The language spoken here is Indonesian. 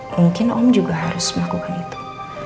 mungkin om juga harus melakukan itu